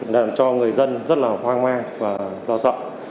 làm cho người dân rất là hoang mang và lo sợ